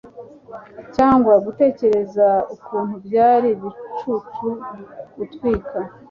cyangwa gutekereza ukuntu byari ibicucu gutwika